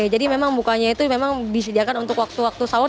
jadi memang bukanya itu memang disediakan untuk waktu waktu sahur